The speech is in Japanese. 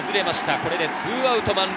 これで２アウト満塁。